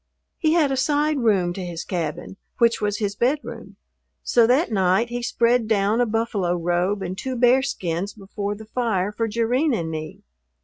He had a side room to his cabin, which was his bedroom; so that night he spread down a buffalo robe and two bearskins before the fire for Jerrine and me.